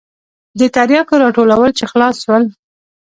د ترياکو راټولول چې خلاص سول.